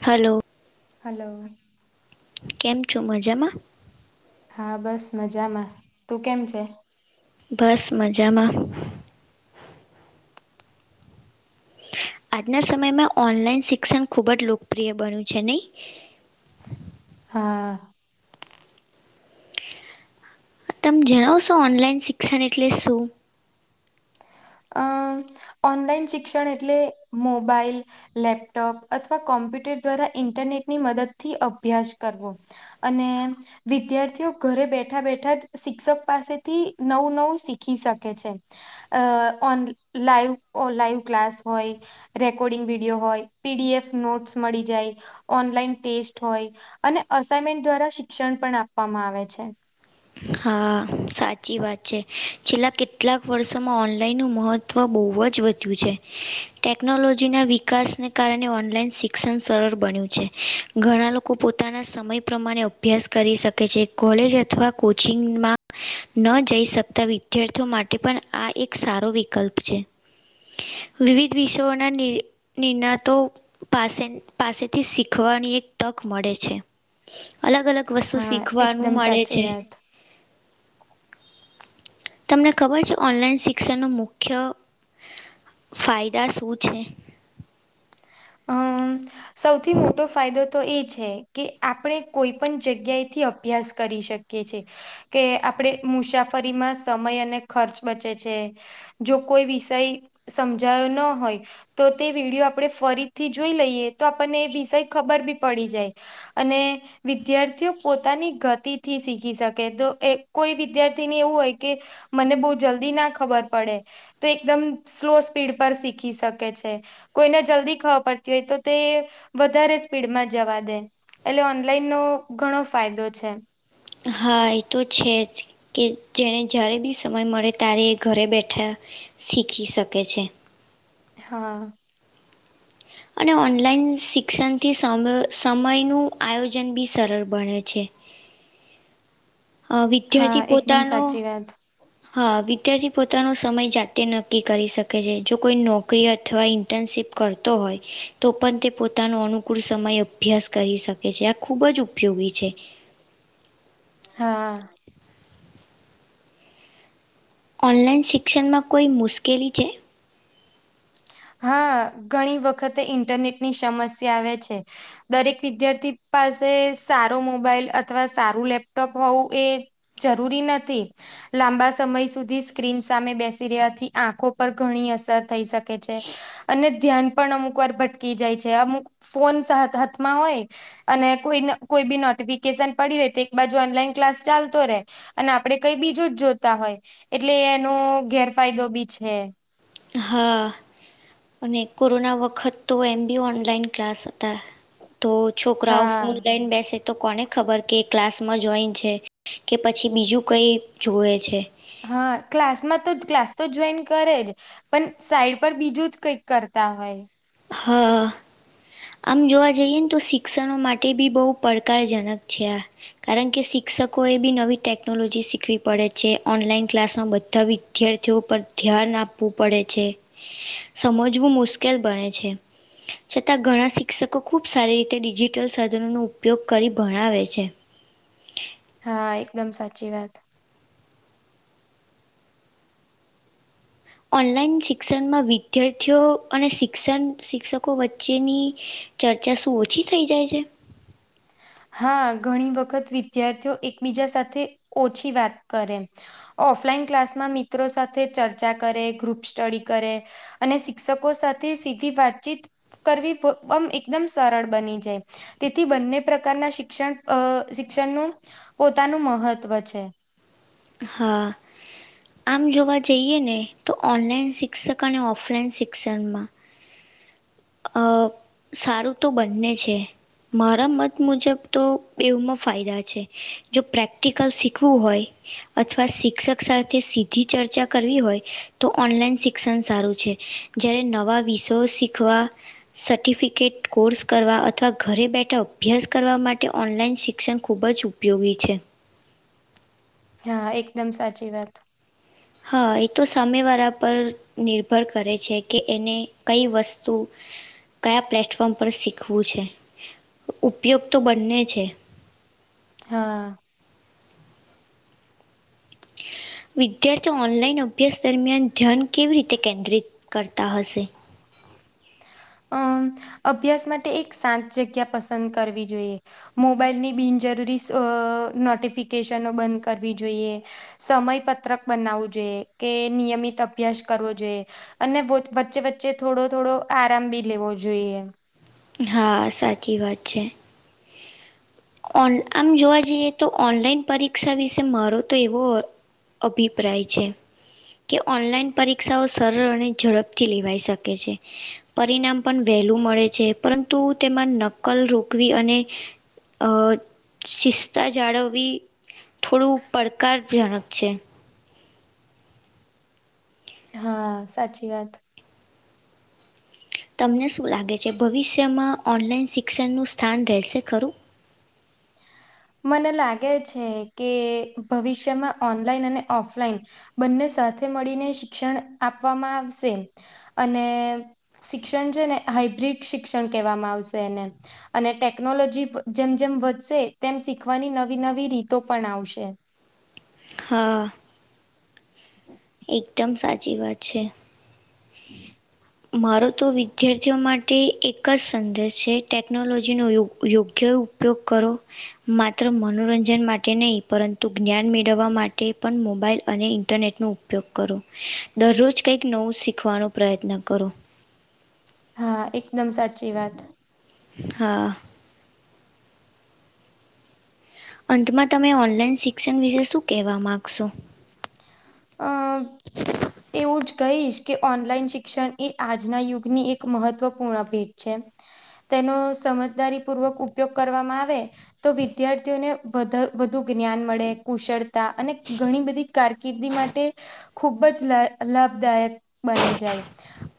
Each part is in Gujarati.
હલો. હલો. કેમ છો મજામાં? હા બસ મજામાં, તું કેમ છે? બસ મજામાં. આજના સમયમાં ઓનલાઈન શિક્ષણ ખૂબ જ લોકપ્રિય બન્યું છે નહીં? હા. તમે જણાવશો ઓનલાઈન શિક્ષણ એટલે શું? અ ઓનલાઈન શિક્ષણ એટલે મોબાઈલ. લેપટોપ અથવા કોમ્પ્યુટર દ્વારા ઇન્ટરનેટ ની મદદ થી અભ્યાસ કરવો. અને વિદ્યાર્થીઓ ઘરે બેઠા બેઠા જ શિક્ષક પાસેથી નવું નવું શીખી શકે છે. અ ઓન લાઈવ લાઈવ ક્લાસ હોય. રેકોર્ડિંગ વિડીયો હોય પીડીએફ નોટસ મળી જાય. ઓનલાઈન ટેસ્ટ હોય અને અસાઇમેન્ટ દ્વારા શિક્ષણ પણ આપવામાં આવે છે. હા સાચી વાત છે, છેલ્લા કેટલાક વર્ષોમાં ઓનલાઈનનું મહત્ત્વ મહ બહુ જ વધ્યું છે, ટેકનોલોજીના વિકાસને કારણે ઓનલાઈન શિક્ષણ શિક્ષણ સરળ બન્યું છે ઘણા લોકો પોતાના સમય પ્રમાણે અભ્યાસ કરી શકે છે. કોલેજ અથવા કોચિંગમાં ન જઈ શકતા વિદ્યાર્થીઓ માટે પણ આ એક સારો વિકલ્પ છે. વિવિધ વિષયોના નિણાતો પાસે પાસેથી શીખવાની એક તક મળે છે, અલગ અલગ વસ્તુ હા શીખવાનું એકદમ મળે સાચી છે. વાત. તમને ખબર છે ઓનલાઈન શિક્ષણનો મુખ્ય ફાયદા શું છે? અમ સૌથી મોટો ફાયદો તો એ છે, કે આપણે કોઈ પણ જગ્યાએથી અભ્યાસ કરી શકીએ છે. કે આપણેે મુસાફરીમાં સમય અને ખર્ચ બચે છે. જો કોઈ વિષય સમજાયો ન હોય. તો તે વિડીયો આપણે ફરીથી જોઈ લઈએ તો આપણને વિષય ખબર બી પડી જાય. અને વિદ્યાર્થીઓ પોતાની ગતિથી શીખી શકે તો કોઈ વિદ્યાર્થીને એવું હોય કે. મને બહુ જલ્દી ના ખબર પડે. તો એકદમ સ્લો સ્પીડ પર શીખી શકે છે, કોઈને જલ્દી ખવા પડતી હોય તો તે, વધારે સ્પીડમાં જવા દે એટલે ઓનલાઈનનોો ઘણો ફાયદો છે. હા એ તો છે જ. કે જેને જ્યારે બી સમય મળે ત્યારે એ ઘરે બેઠા, શીખી શકે છે. હા. અને ઓનલાઈન શિક્ષણથી સમ સમયનું આયોજન બી સરળ બને છે. અ હા વિદ્યાર્થી એકદમ પોતાનો સાચી વાત હા વિદ્યાર્થી પોતાનો સમય જાતે નક્કી કરી શકે છે જો કોઈ નોકરી અથવા ઇટર્નશીપ કરતો હોય, તો પણ તે પોતાનો અનુકૂળ સમયે અભ્યાસ કરી શકે. કે છે આ ખૂબ જ ઉપયોગી છે. હા. ઓનલાઈન શિક્ષણમાં કોઈ મુશ્કેલી છે? હા ઘણી વખતે ઇન્ટરનેટ ની સમસ્યા આવે છે. દરેક વિદ્યાર્થી પાસે સારો મોબાઈલ અથવા સારું લેપટોપ હોવું એ જરૂરી નથી. લાંબા સમય સુધી સ્ક્રીન સામે બેસી રહ્યાથી આંખો પર ઘણી અસર થઈ શક કે અને ધ્યાન પણ અમુક વાર ભટકી જાય છે. અમુક ફોન હાથમાં હોય અને કોઈ કોઈ બી નોટિફિકેશન પડી હોય તો એક બાજુ ઓનલાઈન ક્લાસ ચાલતો રે અને આપડે કઈ બીજું જ જોતા હોય એટલે એનો ગેરફાયદો બી છે. હા. અને કોરોના વખત તો એમ બી ઓનલાઈન ક્લાસ હતા. તો છોકરાઓ ફોન હા લઇને બેસે તો કોને ખબર કે ક્લાસમાં જોઈન છે કે પછી બીજું કંઈ જુએ છે. હા, ક્લાસમાં તો ક્લાસ તો જોઈન કરે જ પણ સાઈડ પર બીજું જ કંઈક કરતા હોય. હા. આમ જોવા જઈએ ને તો શિક્ષણનો માટે બી બો પડકારજનક છે આ કારણકે શિક્ષકો એ બી નવી ટેકનોલોજી શીખવી પડે છે ઓનલાઈન ક્લાસમાં બધા વિદ્યાર્થીઓ પર ધ્યાન આપવું પડે છે સમજવું મુશ્કેલ બને છે. છતાં ઘણા શિક્ષકો ખુબ સારી રીતે ડિજિટલ સાધનોનો ઉપયોગ કરી ભણાવે છે. હા, એકદમ સાચી વાત. ઓનલાઈન શિક્ષણમાં વિદ્યાર્થીઓ અને શિક્ષણ શિક્ષકો વચ્ચેની ચર્ચા શું ઓછી થઈ જાય છે? હા, ઘણી વખત વિદ્યાર્થીઓ એકબીજા સાથે ઓછી વાત કરે ઓફલાઈન ક્લાસમાં મિત્રો સાથે ચર્ચા કરે, ગ્રુપ સ્ટડી કરે. અને શિક્ષકો સાથે સીધી વાતચીત કરવીમ એકદમ સરળ બની જાય તેથી બંને પ્રકારના શિક્ષણ અહ શિક્ષણનું પોતાનું મહત્વ છે. હા. આમ જોવા જઈએ ને તો ઓનલાઈન શિક્ષક અને ઓફલાઈન શિક્ષણમાં અહ સારું તો બંને છે. મારા મત મુજબ તો બેવમાં ફાયદા છે, જો પ્રેક્ટિકલ શીખવું હોય અથવા શિક્ષક સાથે સીધી ચર્ચા કરવી હોય, તો ઓનલાઈન શિક્ષણ સારું છે. જ્યારે નવા વિષયો શીખવા સર્ટિફિકેટ કોર્સ કરવા અથવા ઘરે બેઠા અભ્યાસ કરવા માટે ઓનલાઈન શિક્ષણ ખૂબજ ઉપ યોગી છે. હા, એકદમ સાચી વાત હા, એતો સામેવારા પર નિર્ભર કરે છે કે એને કઈ વસ્તુ કયા પ્લેટફોર્મ પર શીખવું છે, ઉપયોગ તો બંને છે. હા. વિદ્યાર્થીઓ ઓનલાઈન અભ્યાસ દરમિયાન ધ્યાન કેવી રીતે કેન્દ્રિત કરતા હશે? અમ અભ્યાસ માટે એક શાંત જગ્યા પસંદ કરવી જોઈએ. મોબાઈલની બિનજરૂરી અહ નોટિફિકેશનો બંધ કરવી જોઈએ. સમય પત્રક બનાવવું જોઈએ કે નિયમિત અભ્યાસ કરવો જોઈએ. અને વચ્ચે વચ્ચે થોડો થોડો આરામ બી લેવો જોઈએ. હા, સાચી વાત છે. ઓન આમ જોવા જઈએ તો ઓનલાઈન પરીક્ષા વિશે મારો તો એવો અભિપ્રાય છે. કે ઓનલાઈન પરીક્ષાઓ સરળ અને ઝડપથી લેવાઈ શકે છે. પરિનામ પણ વહેલું મળે છે, પરંતુ તેમાં નકલ રોકવી અને અહ શિસ્તા જાળવવી થોડું પડકારજનક છે. હા, સાચી વાત. તમને શું લાગે છે ભવિષ્યમાં ઓનલાઈન શિક્ષણનું સ્થાન રહેશે ખરું? મને લાગે છે કે ભવિષ્યમાં ઓનલાઈન અને ઓફલાઈન બંને સાથે મળીને શિક્ષણ આપવામાં આવશે. અને શિક્ષણ છે ને હાઈબ્રિડ શિક્ષણ કહેવામાં આવશે એને. અને ટેકનોલોજી જેમ-જેમ વધશે તેમ શીખવાની નવી-નવી રીતો પણ આવશે. હા. [inaudible] એકદમ સાચી વાત છે. [inaudible] મારો તો વિદ્યાર્થી ઓ માટે એક જ સંદેશ છે, ટેકનોલોજી નો યોગ યોગ્ય ઉપયોગ કરો. માત્ર મનોરંજન માટે નહીં, પરંતુ જ્ઞાન મેળવવા માટે પણ મોબાઈલ અને ઇન્ટરનેટ નું ઉપયોગ કરો. દરરોજ કંઈક નવું શીખવા નો પ્રયત્ન કરો. હા, એકદમ સાચી વાત. હા. અંત માં તમે ઓનલાઈન શિક્ષણ વિશે શું કહેવા માગશો? અ [inaudible] એવું જ કહીશ કે ઓનલાઈન શિક્ષણ એ આજ ના યુગની એક મહત્વપૂર્ણ [unintelligible] છે. તેનો સમજદારી પૂર્વક ઉપયોગ કરવામાં આવે તો વિદ્યાર્થીઓને વધ વધુ જ્ઞાન મળે, કુશળતા અને ઘણી બધી કારકિર્દી મા ટે ખૂબ જ લા લાભદાયક બની જાય.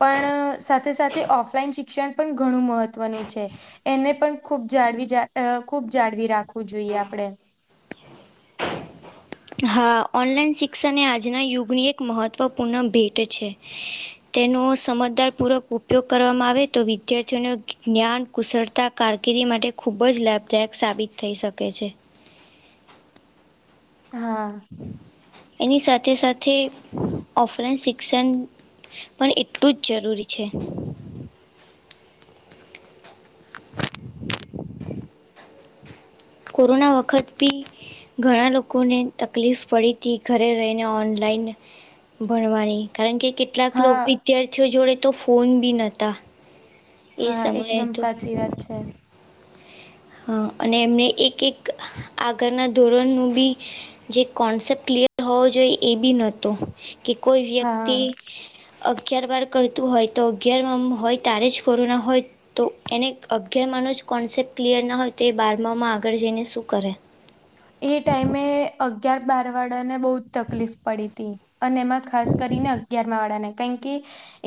પણ સાથે-સાથે ઓફલાઈન શિક્ષણ પણ ઘણું મહત્વનું છે. એને પણ ખૂબ જાળવી જા અહ ખૂબ જાળવી રાખવું જોઈએ આપણેે. હા. ઓનલાઈન શિક્ષણ એ આજ ના યુગની એક મહત્ત્વપૂર્ણ ભેટ છે. તેનો સમજદારપૂર્વક ઉપયોગ કરવામાં આવે તો વિદ્યાર્થીઓને જ્ઞાન, કુશળતા કારકિર્દી માટે ખૂબ જ લાભદાયક સાબિત થઈ શકે છે. હા. એની સાથે-સાથે ઓફલાઈન શિક્ષણ પણ એટલું જ જરૂરી છે. [inaudible] કોરોના વખત ભી ઘણા લોકોને તકલીફ પડી તી ઘરે રહીને ઓનલાઈન ભણવાની, કારણ કે કેટલાક લોક હા વિદ્યાર્થીઓ જોડે તો ફોન પણ નતા. હા, એકદમ સાચી વાત છે. હા. અને એમને એક-એક આગળના ધોરણનું બી જે કોન્સેપ્ટ ક્લિયર હોવો જોઈએ એ બી નતો. કે કોઈ હા. વ્યક્તિ અગિયાર બાર કરતું હોય તો અગિયારમા માં હોય ત્યારે જ કોરોના હોય તો એને અગિયારમાંનો જ કોન્સેપ્ટ ક્લિયર ના હોય તો એ બારમાં માં આગળ જઈને શું કરે? એ ટાઈમે અગિયાર બાર વાળા ને બહુ જ તકલીફ પડી તી. અને એમાં ખાસ કરીને અગિયાર માં વાળા ને. કે,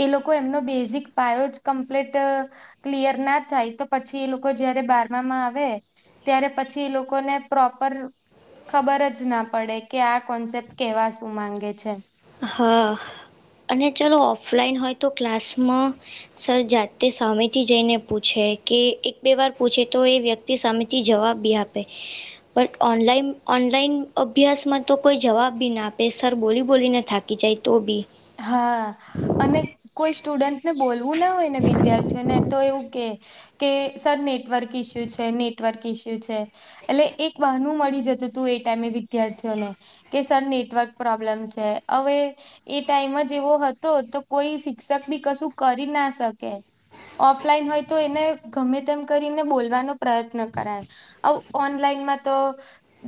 એ લોકો એમનો બેઝિક પાયો જ કમ્પ્લીટ ક્લિયર ના થાય તો પછી એ લોકો જયારે બારમાં આવે. ત્યારે પછી એ લોકોને પ્રો પર ખબર જ ના પડે કે આ કોન્સેપ્ટ કેવાશું માંગે છે. હા, અને ચલો ઓફલાઈન હોય તો ક્લાસમાં સર જાતે સામે થી જઈને પૂછે કે એક બે વાર પૂછે તો એ વ્યક્તિ તે સામેથી જવાબ બી આપે. પણ ઓનલાન ઓનલાઈન અભ્યાસમાં તો કોઈ જવાબ બી ના આપે સર બોલિવૂડ બોલીને થાકી જાય તો ભી. હા. અને કોઈ સ્ટુડન્ટને બોલવું ના હોય ને વિદ્યાર્થીઓને તો એવું કે. કે સર નેટવર્ક ઇસ્યુ છે નેટવર્ક ઇસ્યુ છે. એટલે એક બહા નું મળી જતું હતું એ ટાઈમે વિદ્યાર્થીઓને. કે સર નેટવર્ક પ્રોબ્લેમ છે હવે. ટાઈમ જ એવો હતો તો કોઈ શિક્ષક બી કશું કરી ના શકે. ઓફલાઈન હોય તો એને ગમે તેમ કરીને બોલવાનો પ્રયત્ન કરાય. આવ ઓનલાઈન માં તો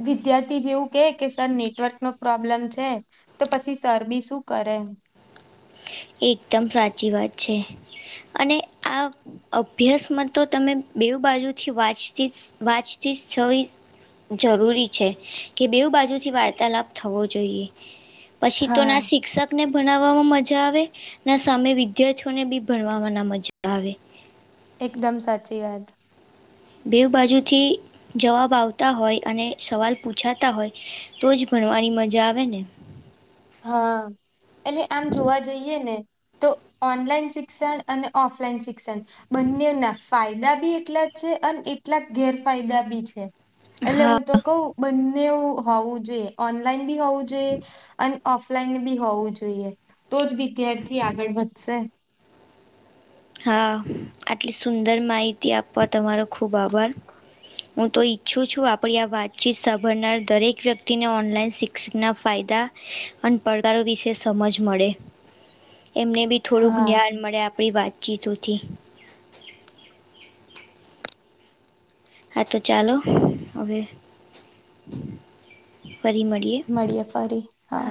વિદ્યાર્થી જેવું કે કે સર નેટવર્ક નો પ્રોબ્લેમ છે, તો પછી સર બી શું કરે. એકદમ સાચી વાત છે, અને આ અભ્યાસમાં તો તમે બે બાજુથી વાંચતી જ વાંચતી જ છવી જરૂરી છે, કે બેવ બાજુથી વાર્તાલાપ થવો જોઈએ. પછી તો હા ના શિક્ષકને ભણાવવામાં મજા આવે. ના સામે વિદ્યાર્થીઓને બી ભણવા ના મજા આવે. એકદમ સાચી વાત. બે બાજુથી જવાબ આવતા હોય અને સવાલ પૂછાતા હોય. તો જ ભણવાની મજા આવે ને. હા, એટલે આમ જોવા જઈએ ને તો ઓનલાઈન શિક્ષણ અને ઓફલાઈન શિક્ષણ, બંને ના ફાયદા બી એટલા અને એટલાક ગેરફાયદા બી છે, એટલે હા હું તો કહ. બંને હોવું જોઈએ ઓનલાઈન બી હોવું જોઈએ, અને ઓફલાઈન બી હોવું જોઈએ, તો જ વિદ્યાર્થી આગળ વધશે. હા, આટલી સુંદર માહિતી આપવા તમારો ખૂબ આભાર. હું તો ઈચ્છું છું આપણી આ વાતચીત સાંભળનાર દરેક વ્યક્તિને ઓનલાઈન શિક્ષકના ફાયદા. અને પડકારો વિશે સમજ મળે, એમને બી થોડુંક હા જ્ઞાન મળે આપણી વાતચીતોથી. હા તો ચાલો હવે, ફરી મળીએ. ફડીએ ફરી હા.